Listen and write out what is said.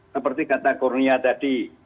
seperti kata kurnia tadi